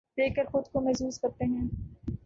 دیکھ کر خود کو محظوظ کرتے ہیں